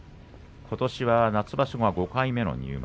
夏場所が５回目の入幕。